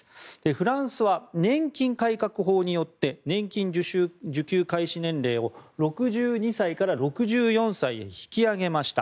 フランスは年金改革法によって年金受給開始年齢を６２歳から６４歳へ引き上げました。